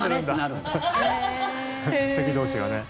敵同士がね。